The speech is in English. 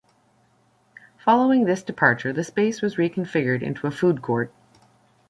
Following this departure, the space was reconfigured into a food court.